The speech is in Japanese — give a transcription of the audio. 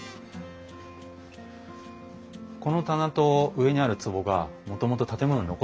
この棚と上にあるつぼがもともと建物に残ってたものなんです。